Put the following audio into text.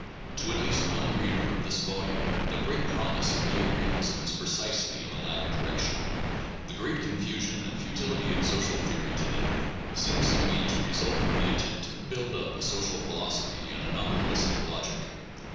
To at least one reader of this volume the great promise of neo realism is precisely in the latter direction. The great confusion and futility of social theory to day seems to me to result from the attempt to build up a social philosophy on a nominal istic logic.